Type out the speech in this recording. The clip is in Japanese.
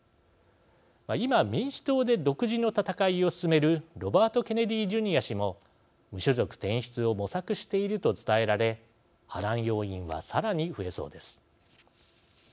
今、民主党で独自の戦いを進めるロバート・ケネディ・ジュニア氏も無所属転出を模索していると伝えられ、波乱要因はさらに増えそうです。